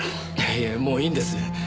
いえもういいんです。